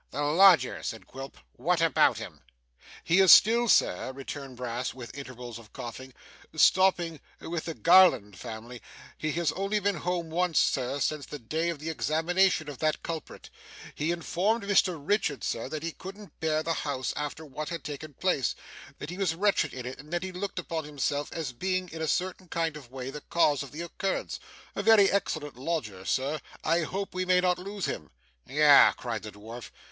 'The lodger,' said Quilp, ' what about him?' 'He is still, sir,' returned Brass, with intervals of coughing, 'stopping with the Garland family. He has only been home once, Sir, since the day of the examination of that culprit. He informed Mr Richard, sir, that he couldn't bear the house after what had taken place; that he was wretched in it; and that he looked upon himself as being in a certain kind of way the cause of the occurrence. A very excellent lodger Sir. I hope we may not lose him.' 'Yah!' cried the dwarf.